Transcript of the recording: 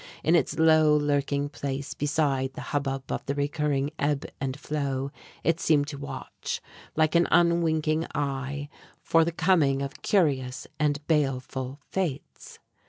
In its low lurking place beside the hubbub of the recurring ebb and flow, it seemed to watch, like an unwinking eye, for the coming of curious and baleful fates.